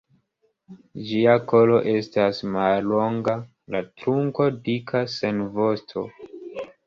Ĝia kolo estas mallonga, la trunko dika sen vosto.